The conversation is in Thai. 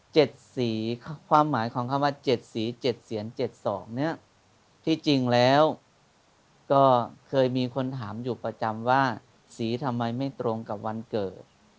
สีความหมายของคำว่าเจ็ดสีเจ็ดเสียนเจ็ดสองเนี้ยที่จริงแล้วก็เคยมีคนถามอยู่ประจำว่าสีทำไมไม่ตรงกับวันเกิด